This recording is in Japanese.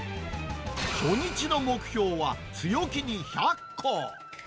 初日の目標は強気に１００個。